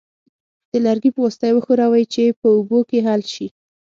د لرګي په واسطه یې وښورئ چې په اوبو کې حل شي.